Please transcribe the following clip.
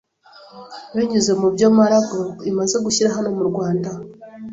binyuze mu byo Mara Group imaze gushyira hano mu Rwanda